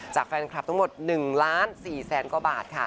จากแฟนครับทั้งหมด๑๔๐๐๐๐๐กว่าบาทค่ะ